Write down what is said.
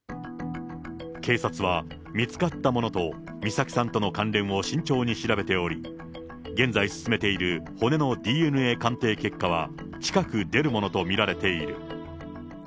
警察は、見つかったものと美咲さんとの関連を慎重に調べており、現在進めている骨のＤＮＡ鑑定結果は、近く出るものと見られている。